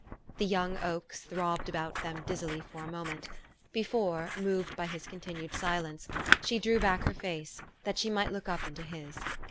The young oaks throbbed about them dizzily for a moment, before, moved by his continued silence, she drew her face back, that she might look up into his.